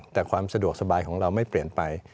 แต่ความสะดวกสบายของเราไม่เปลี่ยนไป